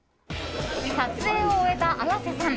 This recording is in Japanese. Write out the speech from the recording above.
撮影を終えた綾瀬さん。